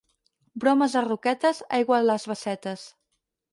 Bromes a Roquetes, aigua a les bassetes.